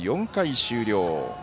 ４回終了。